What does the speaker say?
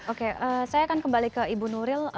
oke saya akan kembali ke ibu nuril